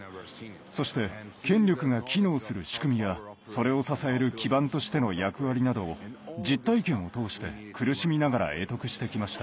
そして権力が機能する仕組みやそれを支える基盤としての役割などを実体験を通して苦しみながら会得してきました。